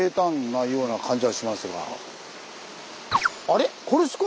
あれ？